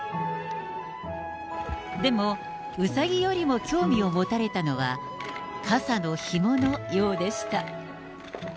でも、ウサギよりも興味を持たれたのは、傘のひものようでした。